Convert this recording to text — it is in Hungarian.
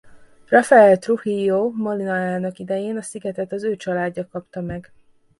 Rafael Trujillo Molina elnök idején a szigetet az ő családja kapta meg.